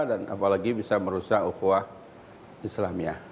dan apalagi bisa merusak ukuah islamiyah